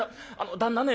旦那ね